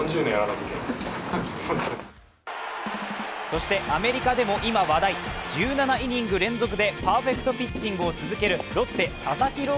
そしてアメリカでも今、話題１７イニング連続でパーフェクトピッチングを続けるロッテ・佐々木朗